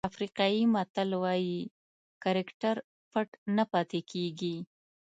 افریقایي متل وایي کرکټر پټ نه پاتې کېږي.